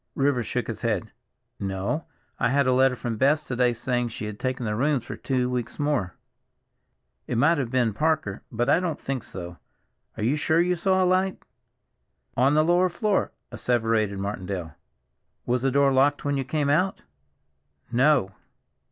Rivers shook his head. "No, I had a letter from Bess to day saying she had taken the rooms for two weeks more. It might have been Parker, but I don't think so. Are you sure you saw a light?" "On the lower floor," asseverated Martindale. "Was the door locked when you came out?" "No."